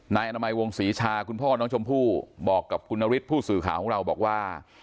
นายอนามัยวงศรีชาคุณพ่อน้องชมพู่บอกกับคุณนฤทธิ์ผู้สื่อข่าวของเราบอกว่า